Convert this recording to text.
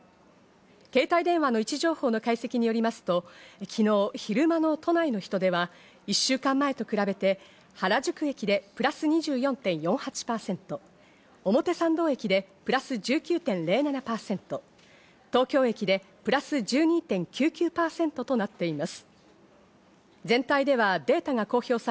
携帯電話の位置情報の解析によりますと、昨日、昼間の都内の人出は１週間前と比べて、原宿駅でプラス２４．４８％、表参道駅でプラス１９．０７％、東京駅でプラス１２．９９％となっています。